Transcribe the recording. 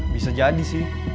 bisa jadi sih